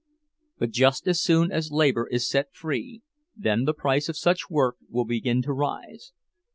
But just as soon as labor is set free, then the price of such work will begin to rise.